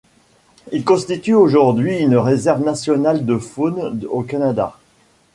Il constitue aujourd'hui une réserve nationale de faune au Canada.